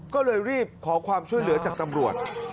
ก็เลยรีบขอความช่วยเหลือจากตำรวจ